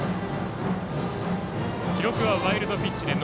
記録はワイルドピッチです。